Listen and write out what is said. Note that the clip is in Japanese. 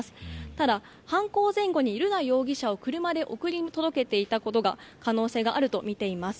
ただ、犯行前後に瑠奈容疑者を車で送り届けていた可能性があるとみています。